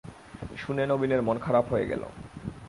শুনে নবীনের মন খারাপ হয়ে গেল।